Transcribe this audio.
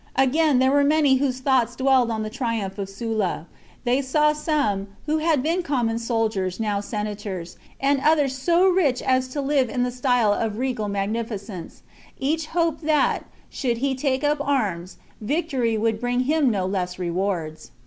Again, there were many whose thoughts dwelt on the triumph of Sulla ; they saw some, who had been common soldiers, now senators, and others so rich as to live in a style of regal magnificence; each hoped that, should he take up arms, victory would bring him no less rewards.